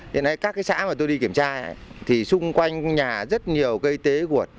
hiện nay các cái xã mà tôi đi kiểm tra thì xung quanh nhà rất nhiều cây tế cuột